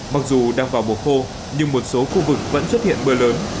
mặc dù đang vào mùa khô nhưng một số khu vực vẫn xuất hiện mưa lớn